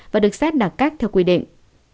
và được xét đặt cách theo quy định